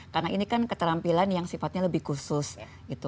karena ini kan keterampilan yang sifatnya lebih khusus gitu